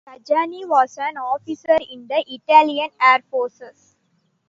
Tajani was an officer in the Italian Air Forces.